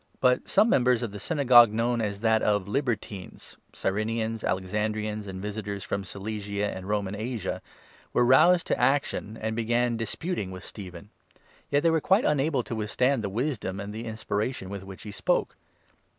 But some members 9 of the Synagogue known as that of Libertines, Cyrenians, Alexandrians, and Visitors from Cilicia and Roman Asia, were roused to action and began disputing with Stephen ; yet they 10 were quite unable to withstand the wisdom and the inspira tion with which he spoke.